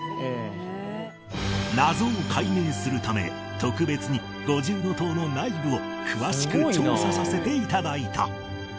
謎を解明するため特別に五重塔の内部を詳しく調査させて頂いた